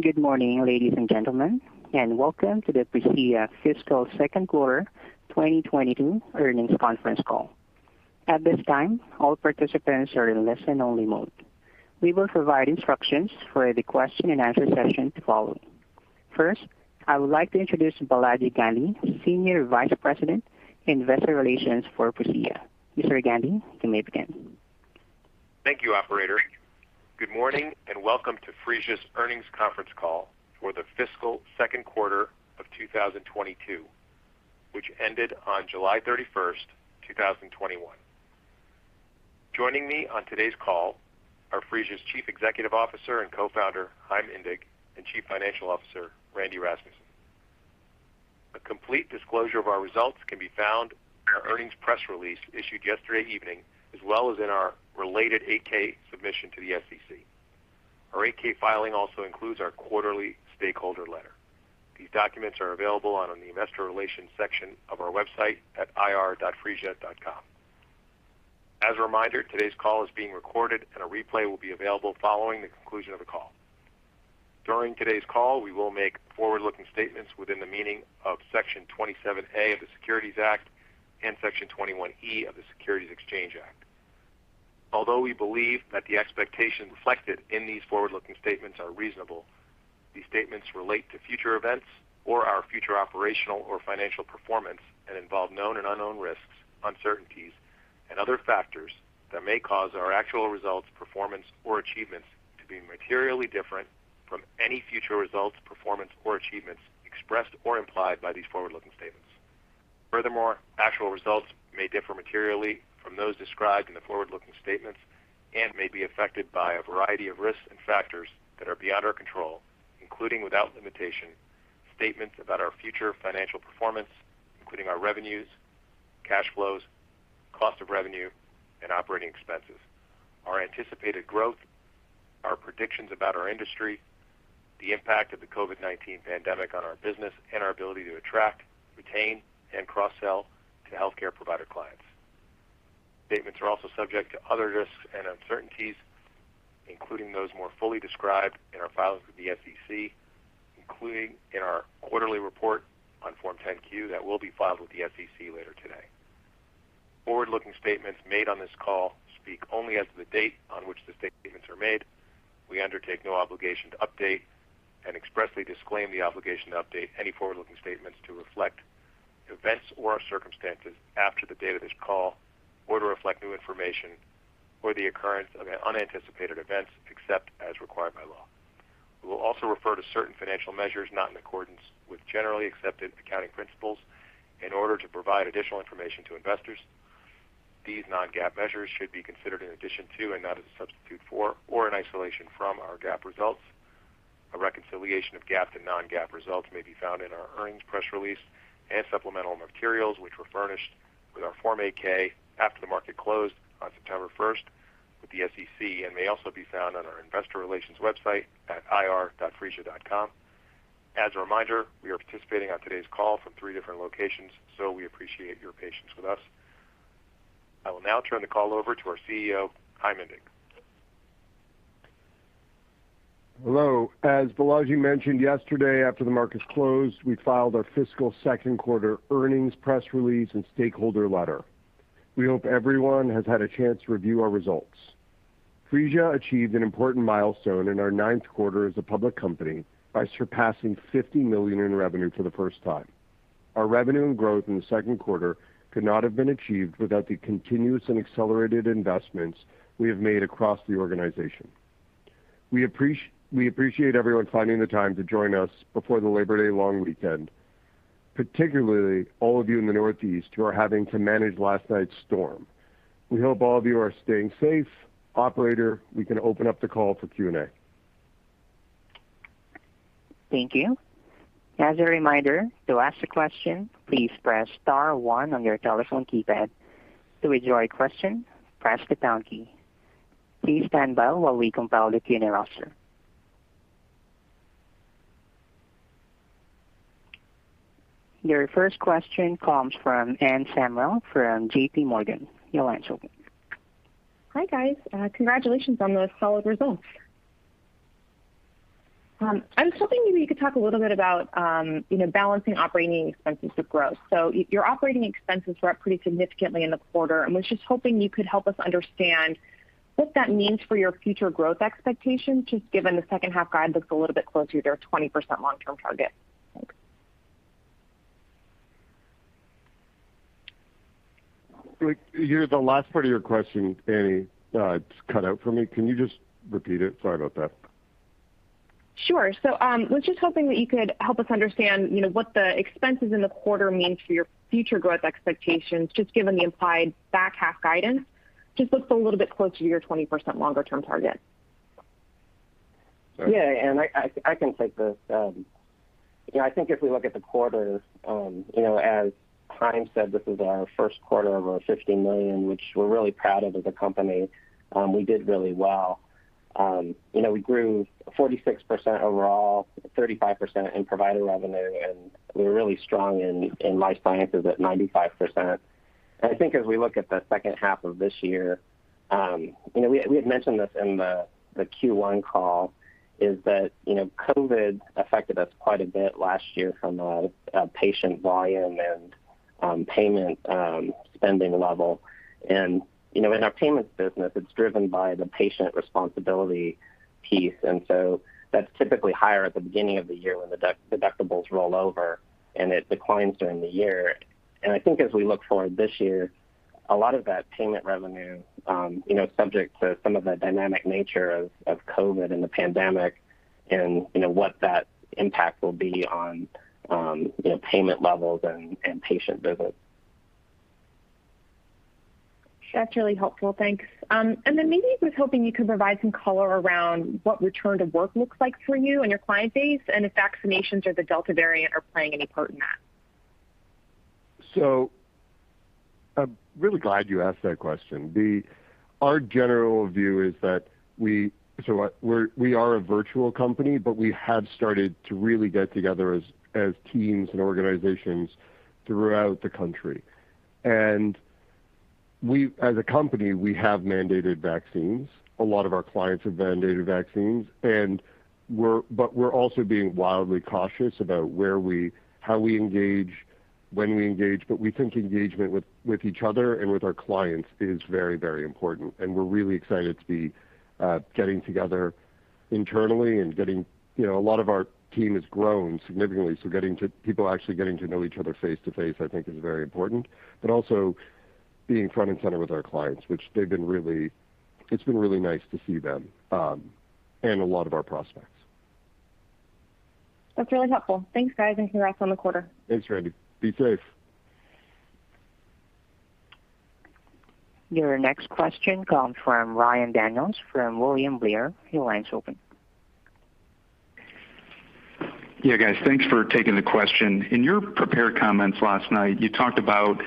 Good morning, ladies and gentlemen. Welcome to the Phreesia fiscal second quarter 2022 earnings conference call. At this time, all participants are in listen only mode. We will provide instructions for the question and answer session to follow. First, I would like to introduce Balaji Gandhi, Senior Vice President, Investor Relations for Phreesia. Mr. Gandhi, you may begin. Thank you, operator. Good morning and welcome to Phreesia's earnings conference call for the fiscal second quarter of 2022, which ended on July 31st, 2021. Joining me on today's call are Phreesia's Chief Executive Officer and Co-founder, Chaim Indig, and Chief Financial Officer, Randy Rasmussen. A complete disclosure of our results can be found in our earnings press release issued yesterday evening, as well as in our related 8-K submission to the SEC. Our 8-K filing also includes our quarterly stakeholder letter. These documents are available on the Investor Relations section of our website at ir.phreesia.com. As a reminder, today's call is being recorded and a replay will be available following the conclusion of the call. During today's call, we will make forward-looking statements within the meaning of Section 27A of the Securities Act and Section 21E of the Securities Exchange Act. Although we believe that the expectations reflected in these forward-looking statements are reasonable, these statements relate to future events or our future operational or financial performance, and involve known and unknown risks, uncertainties, and other factors that may cause our actual results, performance, or achievements to be materially different from any future results, performance, or achievements expressed or implied by these forward-looking statements. Furthermore, actual results may differ materially from those described in the forward-looking statements and may be affected by a variety of risks and factors that are beyond our control, including, without limitation, statements about our future financial performance, including our revenues, cash flows, cost of revenue, and operating expenses, our anticipated growth, our predictions about our industry, the impact of the COVID-19 pandemic on our business, and our ability to attract, retain, and cross-sell to healthcare provider clients. Statements are also subject to other risks and uncertainties, including those more fully described in our filings with the SEC, including in our quarterly report on Form 10-Q that will be filed with the SEC later today. Forward-looking statements made on this call speak only as of the date on which the statements are made. We undertake no obligation to update and expressly disclaim the obligation to update any forward-looking statements to reflect events or circumstances after the date of this call or to reflect new information or the occurrence of unanticipated events, except as required by law. We will also refer to certain financial measures not in accordance with generally accepted accounting principles in order to provide additional information to investors. These non-GAAP measures should be considered in addition to and not as a substitute for or in isolation from our GAAP results. A reconciliation of GAAP to non-GAAP results may be found in our earnings press release and supplemental materials, which were furnished with our Form 8-K after the market closed on September 1st with the SEC and may also be found on our investor relations website at ir.phreesia.com. As a reminder, we are participating on today's call from three different locations, so we appreciate your patience with us. I will now turn the call over to our CEO, Chaim Indig. Hello. As Balaji mentioned, yesterday after the markets closed, we filed our fiscal second quarter earnings press release and stakeholder letter. We hope everyone has had a chance to review our results. Phreesia achieved an important milestone in our ninth quarter as a public company by surpassing $50 million in revenue for the first time. Our revenue and growth in the second quarter could not have been achieved without the continuous and accelerated investments we have made across the organization. We appreciate everyone finding the time to join us before the Labor Day long weekend, particularly all of you in the Northeast who are having to manage last night's storm. We hope all of you are staying safe. Operator, we can open up the call for Q&A. Thank you. As a reminder, to ask a question, please press star one on your telephone keypad. To withdraw your question, press the pound key. Please stand by while we compile the Q&A roster. Your first question comes from Anne Samuel from JPMorgan. Your line's open. Hi, guys. Congratulations on those solid results. I was hoping maybe you could talk a little bit about balancing operating expenses with growth. Your operating expenses were up pretty significantly in the quarter, and was just hoping you could help us understand what that means for your future growth expectations, just given the second half guide looks a little bit closer to their 20% long-term target. Thanks. The last part of your question, Anne Samuel, it's cut out for me. Can you just repeat it? Sorry about that. Sure. I was just hoping that you could help us understand what the expenses in the quarter mean for your future growth expectations, just given the implied back half guidance just looks a little bit close to your 20% longer term target. Sorry. Anne, I can take this. I think if we look at the quarter, as Chaim said, this is our first quarter over $50 million, which we're really proud of as a company. We did really well. We grew 46% overall, 35% in provider revenue, and we're really strong in life sciences at 95%. I think as we look at the second half of this year, we had mentioned this in the Q1 call, is that COVID affected us quite a bit last year from a patient volume and payment spending level. In our payments business, it's driven by the patient responsibility piece, and so that's typically higher at the beginning of the year when the deductibles roll over, and it declines during the year. I think as we look forward this year, a lot of that payment revenue subject to some of the dynamic nature of COVID and the pandemic and what that impact will be on payment levels and patient visits. That's really helpful. Thanks. Then maybe just hoping you could provide some color around what return to work looks like for you and your client base and if vaccinations or the Delta variant are playing any part in that? I'm really glad you asked that question. Our general view is that we are a virtual company, but we have started to really get together as teams and organizations throughout the country. As a company, we have mandated vaccines. A lot of our clients have mandated vaccines. We're also being wildly cautious about how we engage, when we engage. We think engagement with each other and with our clients is very important, and we're really excited to be getting together internally. A lot of our team has grown significantly, so people actually getting to know each other face-to-face, I think, is very important. Also being front and center with our clients, which it's been really nice to see them, and a lot of our prospects. That's really helpful. Thanks, guys, and congrats on the quarter. Thanks, Anne. Be safe. Your next question comes from Ryan Daniels from William Blair. Your line's open. Yeah, guys, thanks for taking the question. In your prepared comments last night, you talked about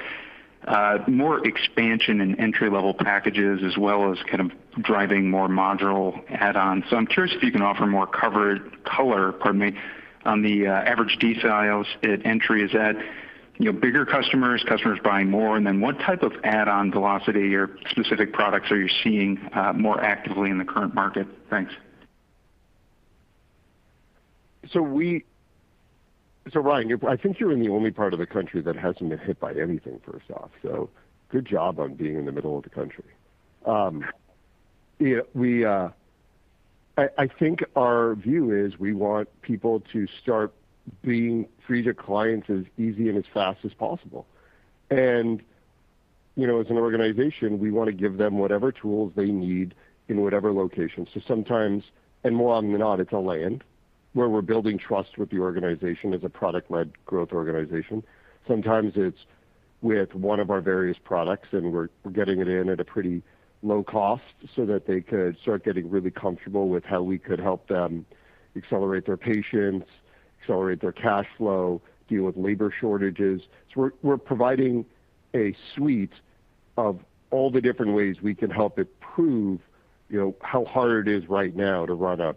more expansion in entry-level packages as well as kind of driving more module add-ons. I'm curious if you can offer more color on the average deal ciles at entry. Is that bigger customers buying more? What type of add-on velocity or specific products are you seeing more actively in the current market? Thanks. Ryan, I think you're in the only part of the country that hasn't been hit by anything, first off. Good job on being in the middle of the country. I think our view is we want people to start being Phreesia clients as easy and as fast as possible. As an organization, we want to give them whatever tools they need in whatever location. Sometimes, and more often than not, it's on land, where we're building trust with the organization as a product-led growth organization. Sometimes it's with one of our various products, and we're getting it in at a pretty low cost so that they could start getting really comfortable with how we could help them accelerate their patients, accelerate their cash flow, deal with labor shortages. We're providing a suite of all the different ways we can help improve how hard it is right now to run a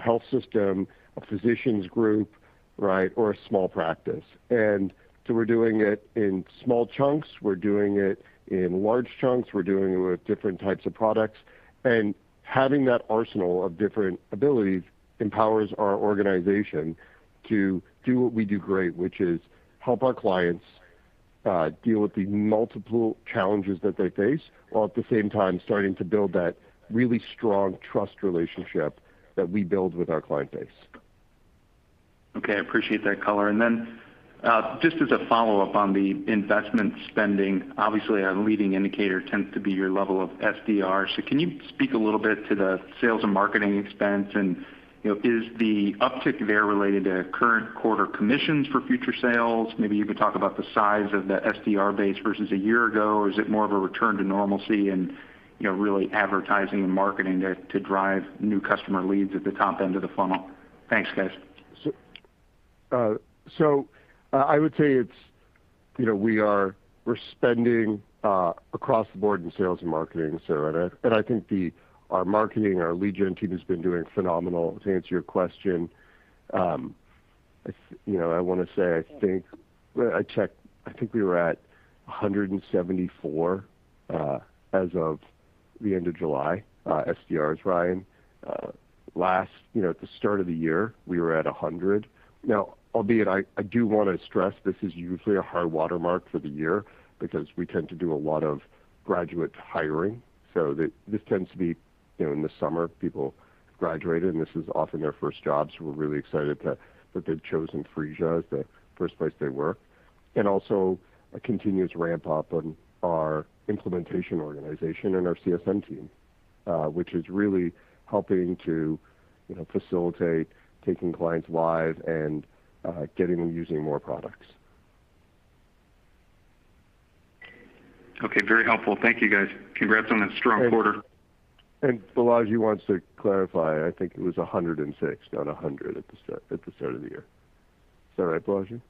health system, a physicians group, or a small practice. We're doing it in small chunks. We're doing it in large chunks. We're doing it with different types of products. Having that arsenal of different abilities empowers our organization to do what we do great, which is help our clients deal with the multiple challenges that they face while at the same time starting to build that really strong trust relationship that we build with our client base. Okay, appreciate that color. Just as a follow-up on the investment spending, obviously a leading indicator tends to be your level of SDR. Can you speak a little bit to the sales and marketing expense, and is the uptick there related to current quarter commissions for future sales? Maybe you could talk about the size of the SDR base versus a year ago, or is it more of a return to normalcy and really advertising and marketing to drive new customer leads at the top end of the funnel? Thanks, guys. I would say we're spending across the board in sales and marketing, is that right? I think our marketing, our lead gen team has been doing phenomenal. To answer your question, I want to say, I think we were at 174 as of the end of July, SDRs, Ryan. At the start of the year, we were at 100. Albeit I do want to stress this is usually a high watermark for the year because we tend to do a lot of graduate hiring. This tends to be in the summer, people graduated, and this is often their first job, so we're really excited that they've chosen Phreesia as the first place they work. Also a continuous ramp-up on our implementation organization and our CSM team which is really helping to facilitate taking clients live and getting them using more products. Okay. Very helpful. Thank you, guys. Congrats on that strong quarter. Balaji wants to clarify, I think it was 106, not 100 at the start of the year. Is that right, Balaji?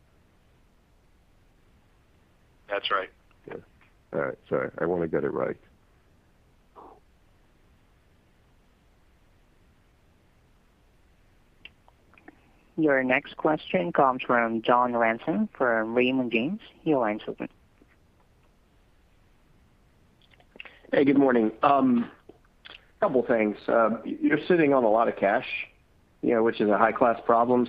That's right. Yeah. All right. Sorry. I want to get it right. Your next question comes from John Ransom from Raymond James. Your line's open. Hey, good morning. A couple things. You're sitting on a lot of cash, which is a high-class problem.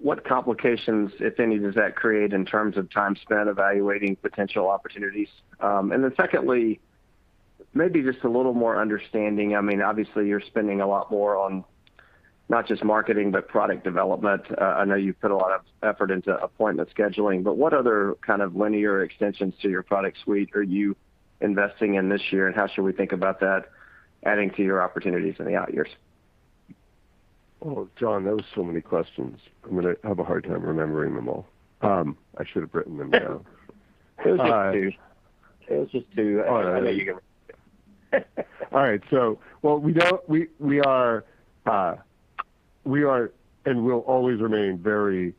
What complications, if any, does that create in terms of time spent evaluating potential opportunities? Secondly, maybe just a little more understanding. Obviously, you're spending a lot more on not just marketing, but product development. I know you've put a lot of effort into appointment scheduling, but what other kind of linear extensions to your product suite are you investing in this year, and how should we think about that adding to your opportunities in the out years? Well, John, that was so many questions. I'm going to have a hard time remembering them all. I should have written them down. It was just two. All right. I know you can remember. All right. We are, and will always remain very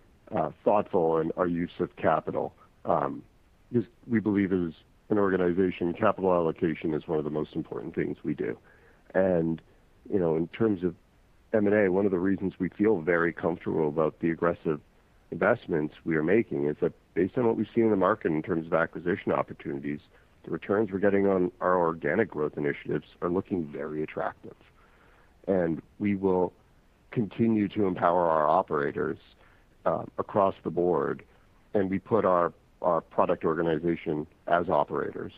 thoughtful in our use of capital. Because we believe as an organization, capital allocation is one of the most important things we do. In terms of M&A, one of the reasons we feel very comfortable about the aggressive investments we are making is that based on what we've seen in the market in terms of acquisition opportunities, the returns we're getting on our organic growth initiatives are looking very attractive. We will continue to empower our operators across the board, and we put our product organization as operators.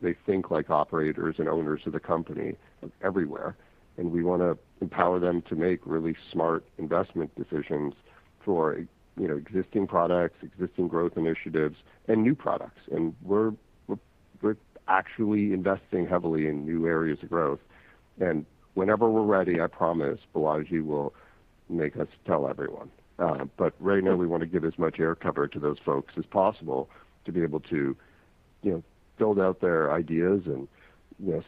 They think like operators and owners of the company everywhere, and we want to empower them to make really smart investment decisions for existing products, existing growth initiatives, and new products. We're actually investing heavily in new areas of growth. Whenever we're ready, I promise Balaji will make us tell everyone. Right now we want to give as much air cover to those folks as possible to be able to build out their ideas and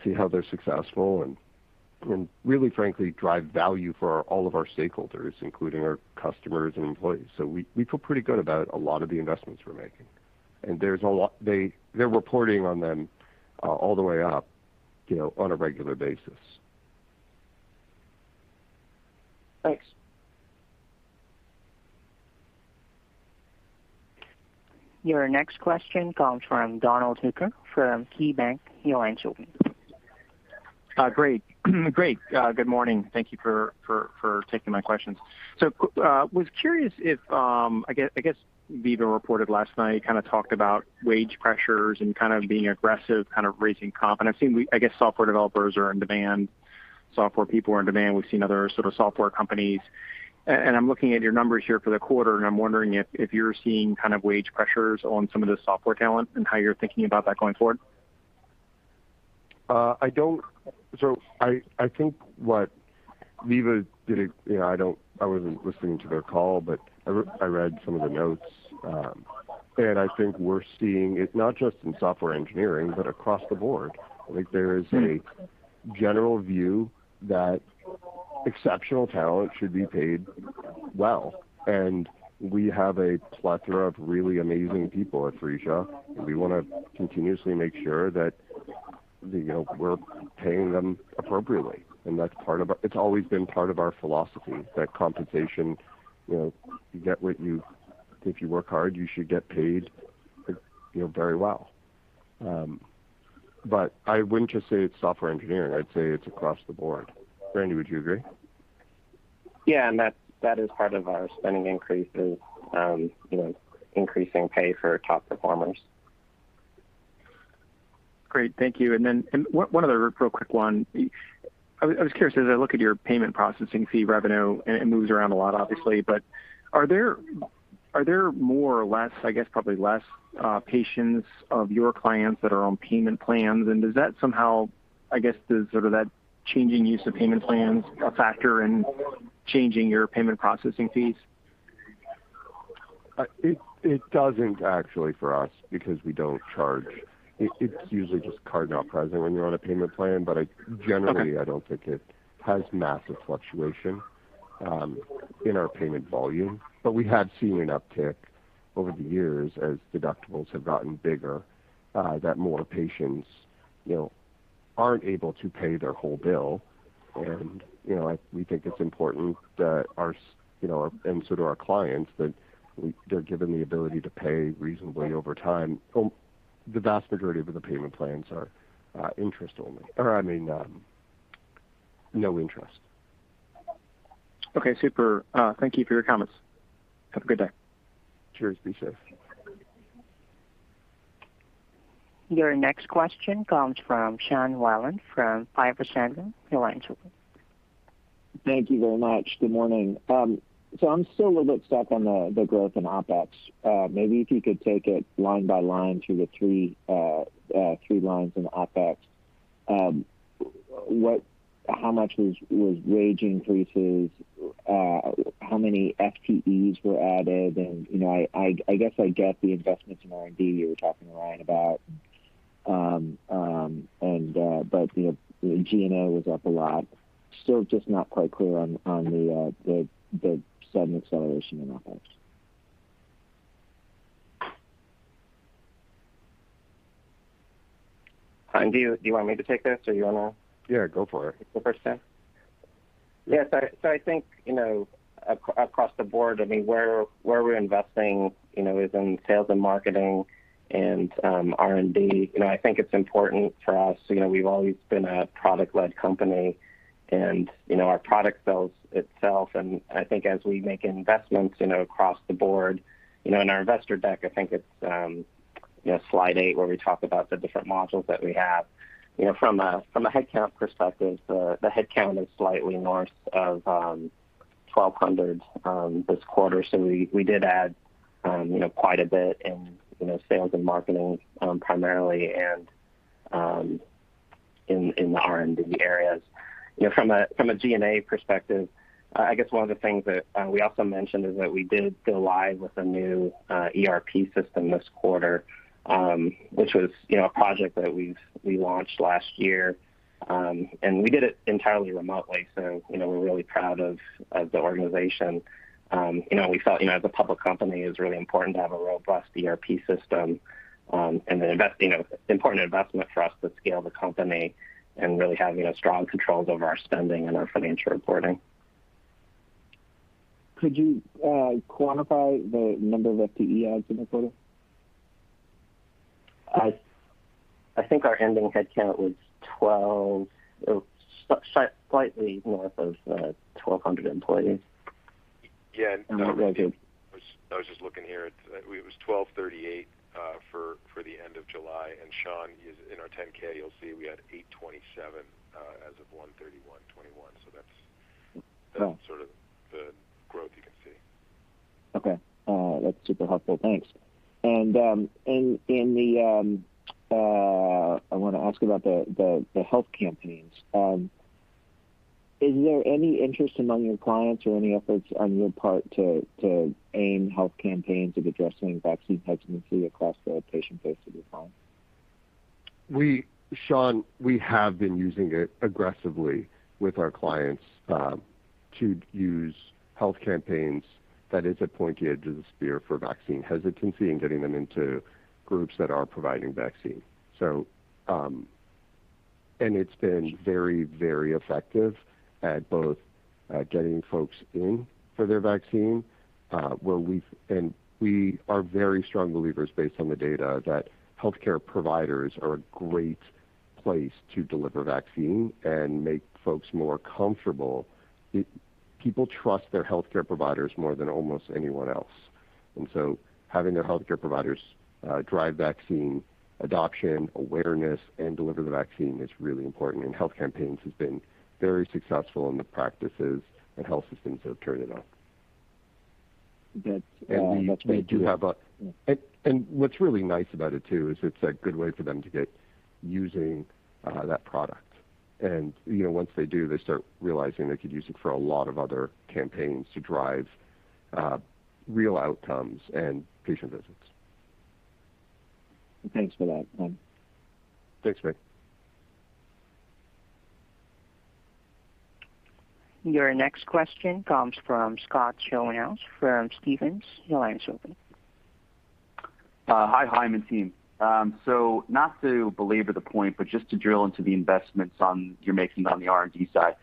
see how they're successful and really frankly drive value for all of our stakeholders, including our customers and employees. We feel pretty good about a lot of the investments we're making. They're reporting on them all the way up on a regular basis. Thanks. Your next question comes from Donald Hooker from KeyBanc. Your line's open. Great. Good morning. Thank you for taking my questions. Was curious if, I guess Veeva reported last night, kind of talked about wage pressures and kind of being aggressive, kind of raising comp. I've seen, I guess, software developers are in demand, software people are in demand. We've seen other sort of software companies. I'm looking at your numbers here for the quarter, and I'm wondering if you're seeing kind of wage pressures on some of the software talent and how you're thinking about that going forward. I don't. I think what Veeva did, I wasn't listening to their call, but I read some of the notes. I think we're seeing it not just in software engineering, but across the board. I think there is a general view that exceptional talent should be paid well. We have a plethora of really amazing people at Phreesia. We want to continuously make sure that we're paying them appropriately. It's always been part of our philosophy, that compensation, if you work hard, you should get paid very well. I wouldn't just say it's software engineering. I'd say it's across the board. Randy, would you agree? Yeah, that is part of our spending increases, increasing pay for top performers. Great. Thank you. One other real quick one. I was curious, as I look at your payment processing fee revenue, and it moves around a lot, obviously, but are there more or less, I guess probably less, patients of your clients that are on payment plans? Does that somehow, I guess, does sort of that changing use of payment plans a factor in changing your payment processing fees? It doesn't actually for us, because we don't charge. It's usually just card not present when you're on a payment plan. Generally, I don't think it has massive fluctuation in our payment volume. We have seen an uptick over the years as deductibles have gotten bigger, that more patients aren't able to pay their whole bill. We think it's important that our, and so do our clients, that they're given the ability to pay reasonably over time. The vast majority of the payment plans are interest only, or, I mean, no interest. Okay. Super. Thank you for your comments. Have a good day. Cheers. Be safe. Your next question comes from Sean Wieland from Piper Sandler. Your line's open. Thank you very much. Good morning. I'm still a little bit stuck on the growth in OpEx. Maybe if you could take it line by line through the three lines in OpEx. How much was wage increases? How many FTEs were added? I guess I get the investments in R&D you were talking to Ryan about. G&A was up a lot. Still just not quite clear on the sudden acceleration in OpEx. Chaim, do you want me to take this, or you want to? Yeah, go for it. Go first, then? Yes. I think, across the board, where we're investing is in sales and marketing and R&D. I think it's important for us. We've always been a product-led company, and our product sells itself. I think as we make investments across the board, in our investor deck, I think it's slide eight where we talk about the different modules that we have. From a headcount perspective, the headcount is slightly north of 1,200 this quarter. We did add quite a bit in sales and marketing primarily and in the R&D areas. From a G&A perspective, I guess one of the things that we also mentioned is that we did go live with a new ERP system this quarter, which was a project that we launched last year. We did it entirely remotely, so we're really proud of the organization. We felt, as a public company, it's really important to have a robust ERP system, and an important investment for us to scale the company and really have strong controls over our spending and our financial reporting. Could you quantify the number of FTE adds in the quarter? I think our ending headcount was slightly north of 1,200 employees. Yeah. Growing. I was just looking here. It was 1,238 for the end of July. Sean, in our 10-K, you'll see we had 827 as of 01/31/2021. Right sort of the growth you can see. Okay. That's super helpful. Thanks. I want to ask about the Health Campaigns. Is there any interest among your clients or any efforts on your part to aim Health Campaigns of addressing vaccine hesitancy across the patient base of your clients? Sean, we have been using it aggressively with our clients to use Health Campaigns that is a pointy edge of the spear for vaccine hesitancy and getting them into groups that are providing vaccines. It's been very effective at both getting folks in for their vaccine, and we are very strong believers based on the data that healthcare providers are a great place to deliver vaccine and make folks more comfortable. People trust their healthcare providers more than almost anyone else. Having their healthcare providers drive vaccine adoption, awareness, and deliver the vaccine is really important, and Health Campaigns has been very successful in the practices and health systems that have turned it on. That's great to hear. Yeah. What's really nice about it too is it's a good way for them to get using that product. Once they do, they start realizing they could use it for a lot of other campaigns to drive real outcomes and patient visits. Thanks for that, Chaim. Thanks, Rick. Your next question comes from Scott Schoenhaus from Stephens. Your line is open. Hi, Chaim and team. Not to belabor the point, but just to drill into the investments you're making on the R&D side.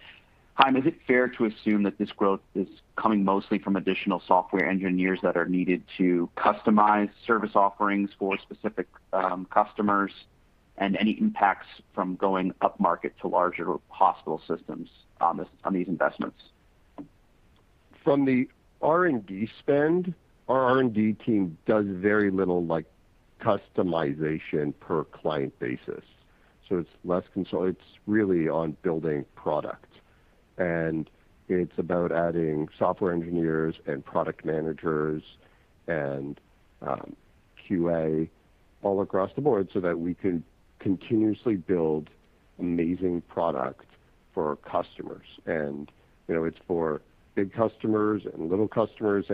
Chaim, is it fair to assume that this growth is coming mostly from additional software engineers that are needed to customize service offerings for specific customers, and any impacts from going upmarket to larger hospital systems on these investments? From the R&D spend, our R&D team does very little customization per client basis. It's really on building product. It's about adding software engineers and product managers and QA all across the board so that we can continuously build amazing product for our customers. It's for big customers and little customers.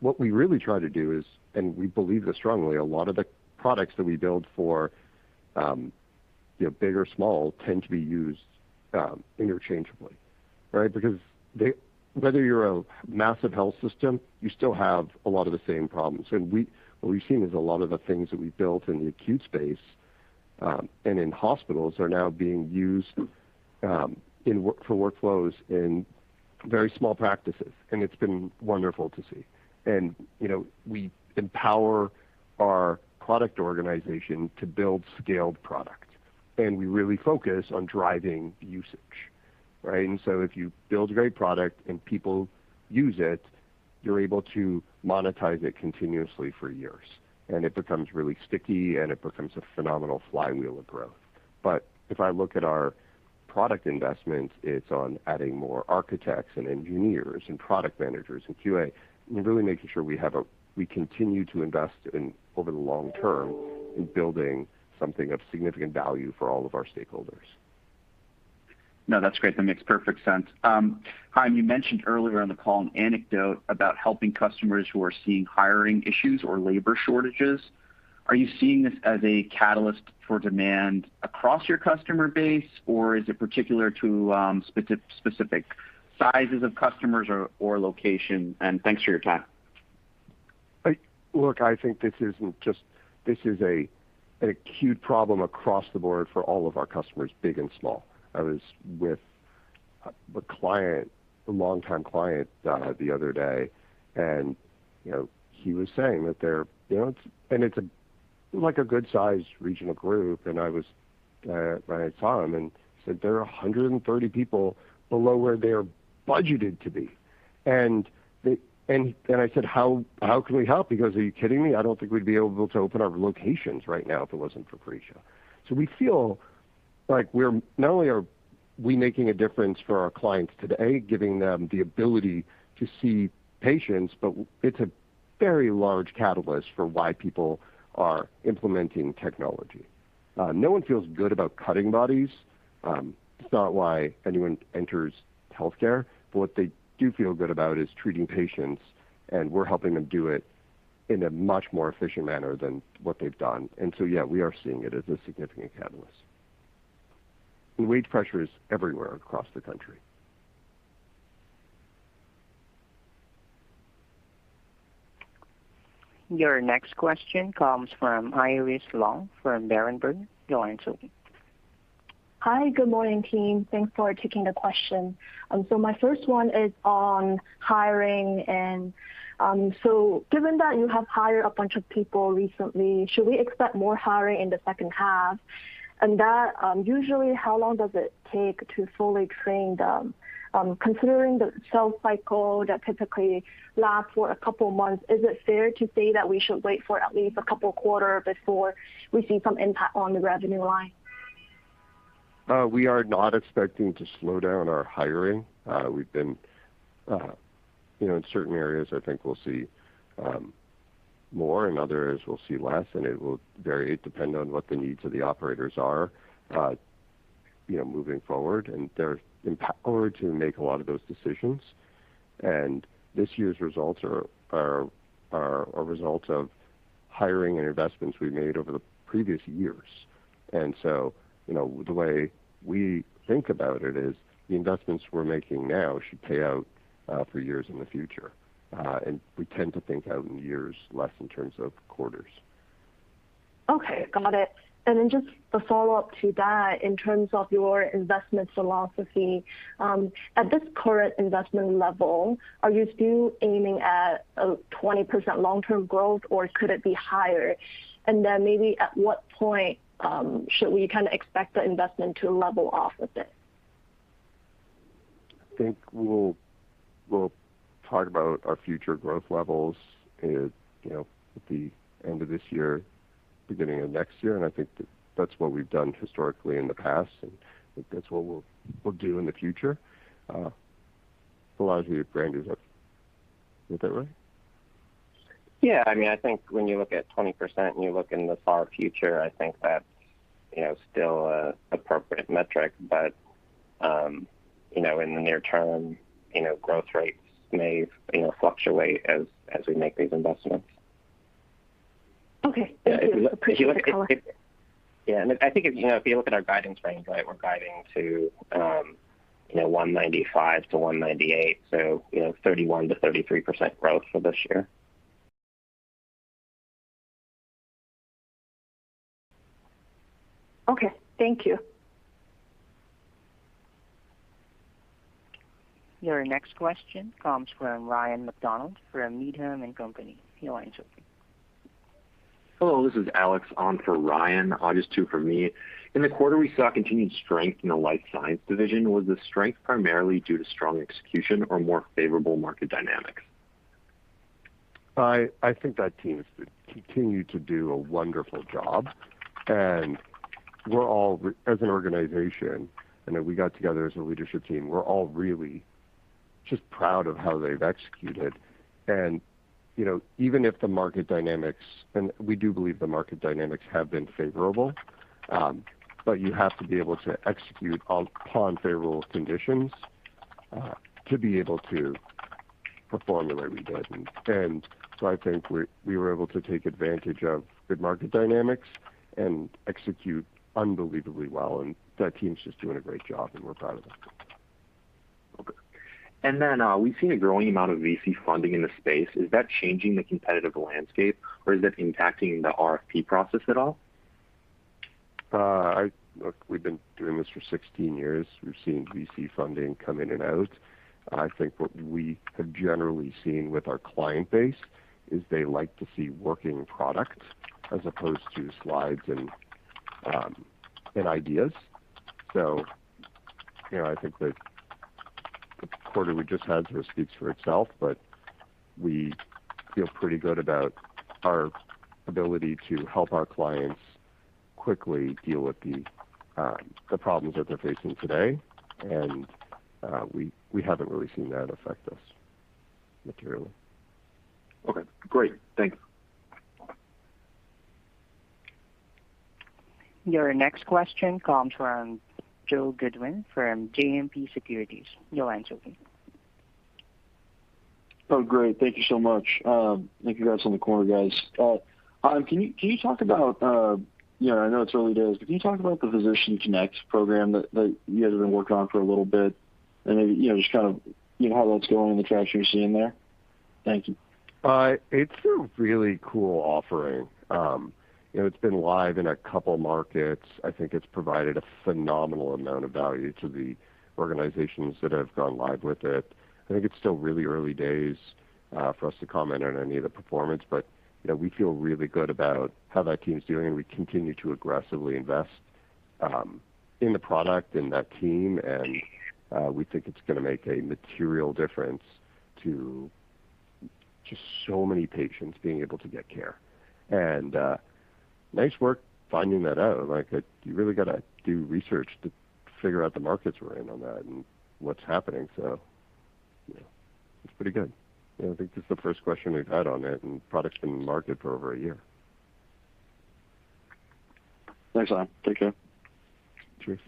What we really try to do is, and we believe this strongly, a lot of the products that we build for big or small tend to be used interchangeably. Right? Whether you're a massive health system, you still have a lot of the same problems. What we've seen is a lot of the things that we've built in the acute space and in hospitals are now being used for workflows in very small practices, and it's been wonderful to see. We empower our product organization to build scaled product, and we really focus on driving usage. Right? If you build a great product and people use it, you're able to monetize it continuously for years, and it becomes really sticky, and it becomes a phenomenal flywheel of growth. If I look at our product investments, it's on adding more architects and engineers and product managers and QA, and really making sure we continue to invest over the long term in building something of significant value for all of our stakeholders. No, that's great. That makes perfect sense. Chaim, you mentioned earlier on the call an anecdote about helping customers who are seeing hiring issues or labor shortages. Are you seeing this as a catalyst for demand across your customer base, or is it particular to specific sizes of customers or location? Thanks for your time. Look, I think this is an acute problem across the board for all of our customers, big and small. I was with a long-time client the other day, and it's a good-sized regional group, and I saw him and he said there are 130 people below where they are budgeted to be. I said, How can we help? He goes, Are you kidding me. I don't think we'd be able to open our locations right now if it wasn't for Phreesia. We feel like not only are we making a difference for our clients today, giving them the ability to see patients, but it's a very large catalyst for why people are implementing technology. No one feels good about cutting bodies. It's not why anyone enters healthcare. What they do feel good about is treating patients, and we're helping them do it in a much more efficient manner than what they've done. Yeah, we are seeing it as a significant catalyst. The wage pressure is everywhere across the country. Your next question comes from Iris Long from Berenberg. Your line's open. Hi, good morning, team. Thanks for taking the question. My first one is on hiring. Given that you have hired a bunch of people recently, should we expect more hiring in the second half? Usually how long does it take to fully train them? Considering the sales cycle that typically lasts for a couple of months, is it fair to say that we should wait for at least a couple of quarters before we see some impact on the revenue line? We are not expecting to slow down our hiring. In certain areas, I think we'll see more, in other areas we'll see less, and it will vary depending on what the needs of the operators are moving forward. They're empowered to make a lot of those decisions. This year's results are a result of hiring and investments we made over the previous years. The way we think about it is the investments we're making now should pay out for years in the future. We tend to think out in years, less in terms of quarters. Okay. Got it. Then just a follow-up to that, in terms of your investment philosophy. At this current investment level, are you still aiming at a 20% long-term growth, or could it be higher? Then maybe at what point should we expect the investment to level off a bit? I think we'll talk about our future growth levels at the end of this year, beginning of next year, and I think that's what we've done historically in the past, and I think that's what we'll do in the future. Randy, do you agree with that? Is that right? Yeah, I think when you look at 20% and you look in the far future, I think that's still an appropriate metric. In the near term, growth rates may fluctuate as we make these investments. Okay. Thank you. Appreciate the color. Yeah, I think if you look at our guidance range, we're guiding to $195 million to $198 million, so 31%-33% growth for this year. Okay. Thank you. Your next question comes from Ryan MacDonald from Needham & Company. Your line's open. Hello, this is Alex on for Ryan. I'll just talk for me. In the quarter, we saw continued strength in the Life Science division. Was the strength primarily due to strong execution or more favorable market dynamics? I think that team has continued to do a wonderful job, and as an organization, and that we got together as a leadership team, we're all really just proud of how they've executed. Even if the market dynamics, and we do believe the market dynamics have been favorable, but you have to be able to execute upon favorable conditions to be able to perform the way we did. I think we were able to take advantage of good market dynamics and execute unbelievably well, and that team's just doing a great job, and we're proud of them. Okay. We've seen a growing amount of VC funding in the space. Is that changing the competitive landscape, or is it impacting the RFP process at all? We've been doing this for 16 years. We've seen VC funding come in and out. I think what we have generally seen with our client base is they like to see working product as opposed to slides and ideas. I think that the quarter we just had speaks for itself, but we feel pretty good about our ability to help our clients quickly deal with the problems that they're facing today. We haven't really seen that affect us materially. Okay. Great. Thanks. Your next question comes from Joe Goodwin from JMP Securities. Your line's open. Oh, great. Thank you so much. Thank you guys on the call, guys. I know it's early days. Can you talk about the ProviderConnect program that you guys have been working on for a little bit, just how that's going and the traction you're seeing there? Thank you. It's a really cool offering. It's been live in a couple markets. I think it's provided a phenomenal amount of value to the organizations that have gone live with it. I think it's still really early days for us to comment on any of the performance, but we feel really good about how that team's doing, and we continue to aggressively invest in the product and that team. We think it's going to make a material difference to just so many patients being able to get care. Nice work finding that out. You really got to do research to figure out the markets we're in on that and what's happening, so it's pretty good. I think this is the first question we've had on it, and the product's been in market for over a year. Thanks, a lot. Take care. Cheers.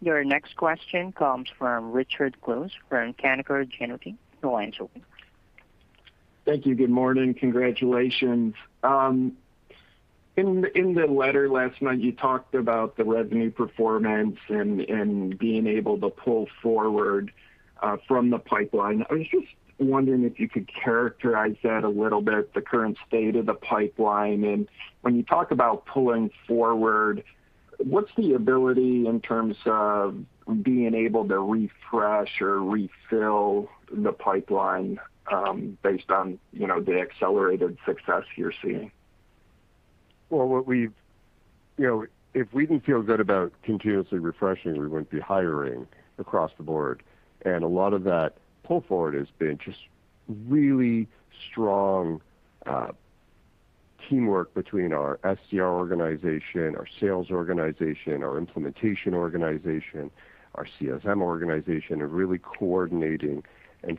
Your next question comes from Richard Close from Canaccord Genuity. Your line's open. Thank you. Good morning. Congratulations. In the letter last night, you talked about the revenue performance and being able to pull forward from the pipeline. I was just wondering if you could characterize that a little bit, the current state of the pipeline. When you talk about pulling forward, what's the ability in terms of being able to refresh or refill the pipeline based on the accelerated success you're seeing? Well, if we didn't feel good about continuously refreshing, we wouldn't be hiring across the board. A lot of that pull forward has been just really strong teamwork between our SDR organization, our sales organization, our implementation organization, our CSM organization, and really coordinating and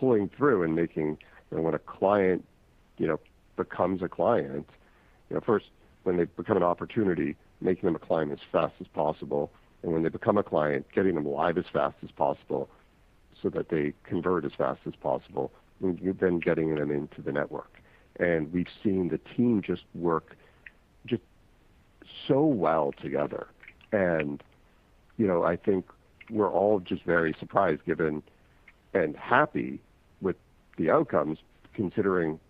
pulling through and making when a client becomes a client. First, when they become an opportunity, making them a client as fast as possible. When they become a client, getting them live as fast as possible so that they convert as fast as possible, and then getting them into the network. We've seen the team just work just so well together. I think we're all just very surprised given and happy with the outcomes, considering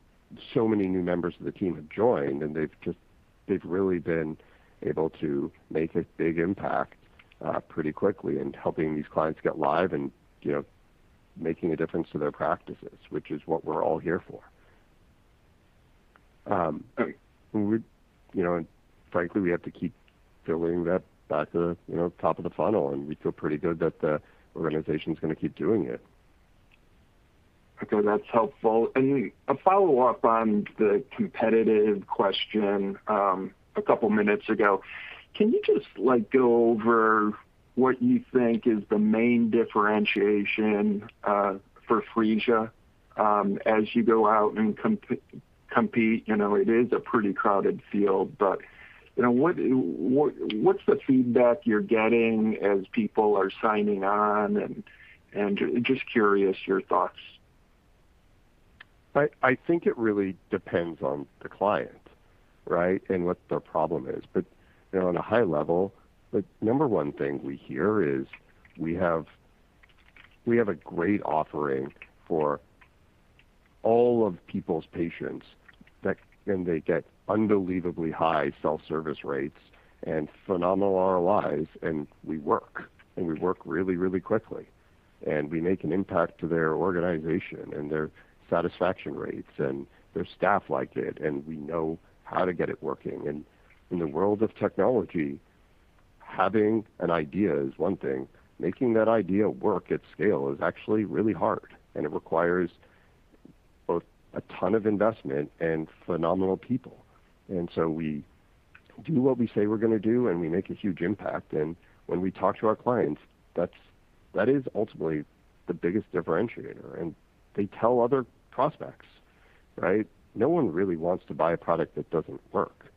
so many new members of the team have joined and they've really been able to make a big impact pretty quickly in helping these clients get live and making a difference to their practices, which is what we're all here for. Frankly, we have to keep filling that back top of the funnel, and we feel pretty good that the organization's going to keep doing it. Okay. That's helpful. A follow-up on the competitive question a couple minutes ago. Can you just go over what you think is the main differentiation for Phreesia as you go out and compete? It is a pretty crowded field, but what's the feedback you're getting as people are signing on, and just curious your thoughts. I think it really depends on the client, right? What their problem is. On a high level, the number one thing we hear is we have a great offering for all of people's patients that then they get unbelievably high self-service rates and phenomenal ROIs, and we work really quickly. We make an impact to their organization and their satisfaction rates, and their staff like it, and we know how to get it working. In the world of technology, having an idea is one thing. Making that idea work at scale is actually really hard, and it requires both a ton of investment and phenomenal people. We do what we say we're going to do, and we make a huge impact. When we talk to our clients, that is ultimately the biggest differentiator, and they tell other prospects, right? No one really wants to buy a product that doesn't work,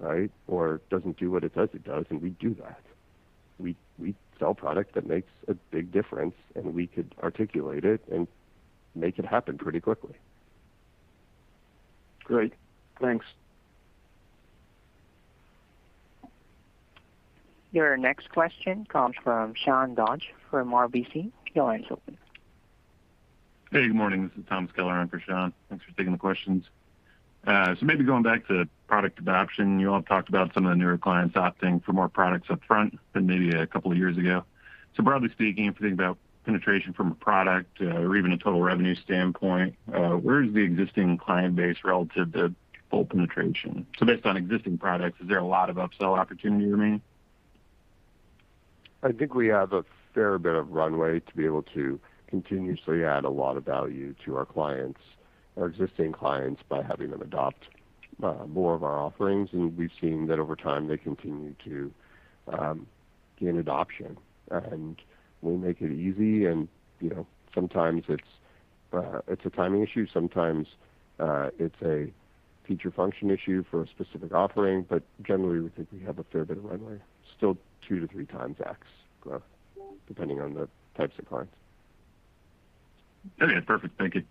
right? It doesn't do what it says it does, and we do that. We sell product that makes a big difference, and we could articulate it and make it happen pretty quickly. Great. Thanks. Your next question comes from Sean Dodge from RBC. Your line's open. Hey, good morning. This is Tom Kelliher in for Sean. Thanks for taking the questions. Maybe going back to product adoption, you all talked about some of the newer clients opting for more products upfront than maybe a couple of years ago. Broadly speaking, if you think about penetration from a product or even a total revenue standpoint, where is the existing client base relative to full penetration? Based on existing products, is there a lot of upsell opportunity remaining? I think we have a fair bit of runway to be able to continuously add a lot of value to our clients, our existing clients, by having them adopt more of our offerings. We've seen that over time, they continue to gain adoption. We make it easy, and sometimes it's a timing issue. Sometimes it's a feature function issue for a specific offering. Generally, we think we have a fair bit of runway, still 2 to 3 times growth, depending on the types of clients. Okay, perfect. Thank you.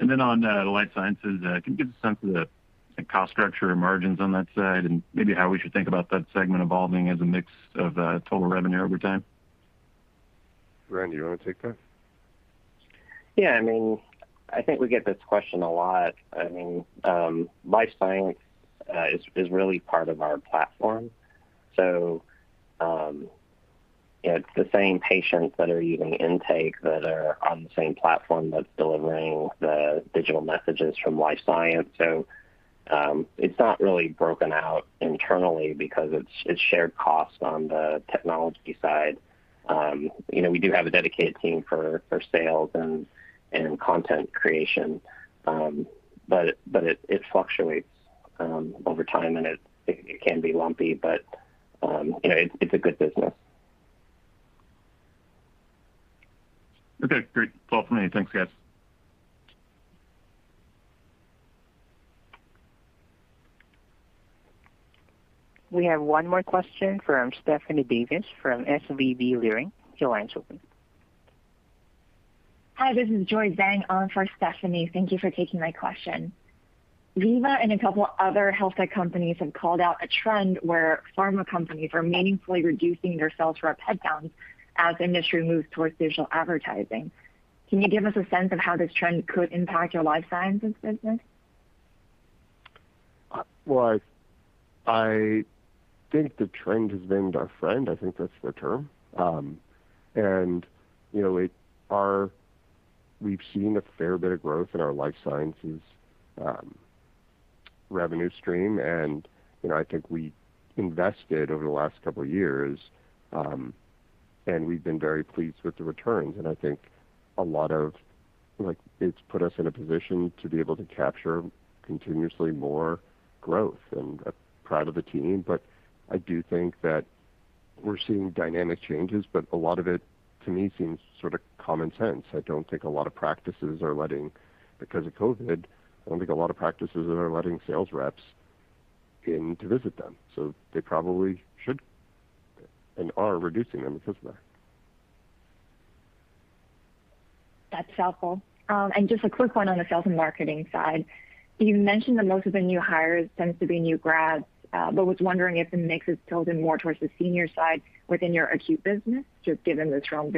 On the life sciences, can you give a sense of the cost structure and margins on that side, and maybe how we should think about that segment evolving as a mix of the total revenue over time? Randy, do you want to take that? Yeah. I think we get this question a lot. Life science is really part of our platform. It's the same patients that are using Intake that are on the same platform that's delivering the digital messages from life science. It's not really broken out internally because it's shared costs on the technology side. We do have a dedicated team for sales and content creation. It fluctuates over time and it can be lumpy, but it's a good business. Okay, great. All for me. Thanks, guys. We have one more question from Stephanie Davis from SVB Leerink. Your line's open. Hi, this is Joy Zhang on for Stephanie. Thank you for taking my question. Veeva and a couple other health tech companies have called out a trend where pharma companies are meaningfully reducing their sales rep headcounts as the industry moves towards digital advertising. Can you give us a sense of how this trend could impact your Life Sciences business? Well, I think the trend has been our friend. I think that's the term. We've seen a fair bit of growth in our life sciences revenue stream, and I think we invested over the last couple of years, and we've been very pleased with the returns. I think a lot of it's put us in a position to be able to capture continuously more growth. I'm proud of the team, but I do think that we're seeing dynamic changes, but a lot of it, to me, seems sort of common sense. I don't think a lot of practices are letting, because of COVID, I don't think a lot of practices are letting sales reps in to visit them. They probably should and are reducing them as a result. That's helpful. Just a quick one on the sales and marketing side. You mentioned that most of the new hires tend to be new grads, but was wondering if the mix has tilted more towards the senior side within your acute business, just given the strong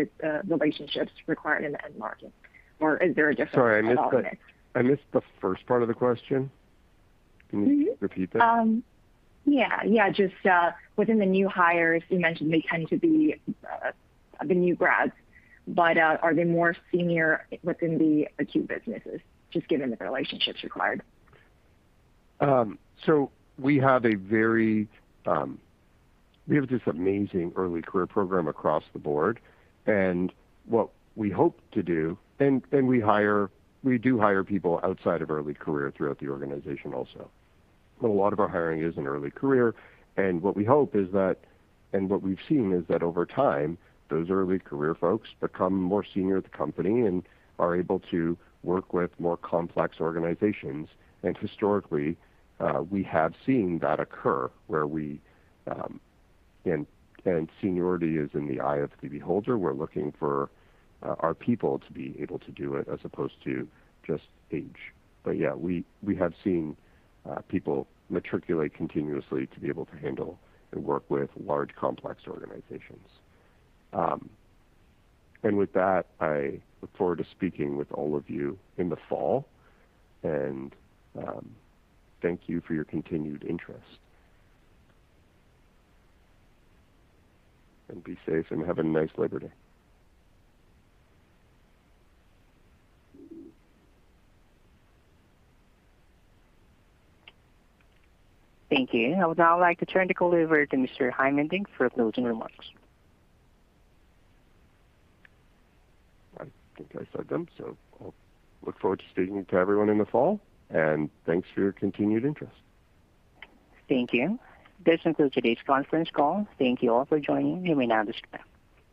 relationships required in the end market, or is there a difference? Sorry, I missed the first part of the question. Can you repeat that? Yeah. Just within the new hires, you mentioned they tend to be the new grads, but are they more senior within the acute businesses, just given the relationships required? We have this amazing early career program across the board, and what we hope to do and we do hire people outside of early career throughout the organization also. A lot of our hiring is in early career, and what we hope is that, and what we've seen is that over time, those early career folks become more senior at the company and are able to work with more complex organizations. Historically, we have seen that occur where we, and seniority is in the eye of the beholder. We're looking for our people to be able to do it as opposed to just age. Yeah, we have seen people matriculate continuously to be able to handle and work with large, complex organizations. With that, I look forward to speaking with all of you in the fall, and thank you for your continued interest. Be safe and have a nice Labor Day. Thank you. I would now like to turn the call over to Mr. Chaim Indig for closing remarks. I think I said them, so I'll look forward to speaking to everyone in the fall, and thanks for your continued interest. Thank you. This concludes today's conference call. Thank you all for joining. You may now disconnect.